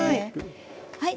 はい。